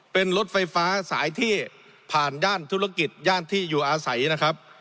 เป็นรถไฟฟ้าสายที่ผ่านย่านธุรกิจย่านที่อยู่อาศัยนะครับ